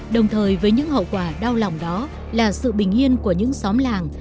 đồng thời với những hậu quả đau lòng đó là sự bình yên của những xóm làng